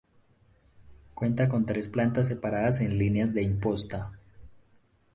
Cuenta con tres plantas separadas en líneas de imposta.